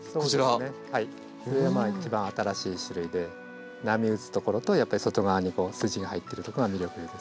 それが一番新しい種類で波打つところとやっぱり外側に筋が入っているとこが魅力です。